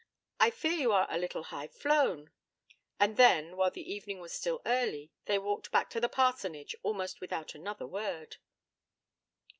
'I fear you are a little high flown.' And then, while the evening was still early, they walked back to the parsonage almost without another word.